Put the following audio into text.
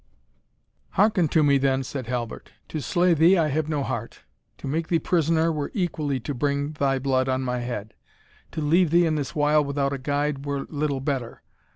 "Hearken to me, then," said Halbert; "to slay thee, I have no heart to make thee prisoner, were equally to bring thy blood on my head to leave thee in this wild without a guide, were little better.